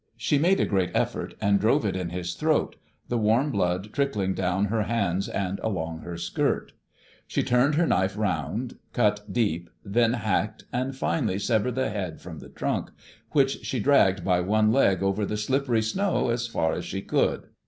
She made a great effort and drove it in his throat, the warm blood trickling down her hands and along her skirt; she turned her knife around, cut deep, then hacked, and finally severed the head from the trunk, which she dragged by one leg over the slippery snow as far as she could.